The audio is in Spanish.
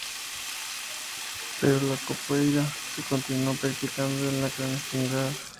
Pero la "Capoeira" se continuó practicando en la clandestinidad.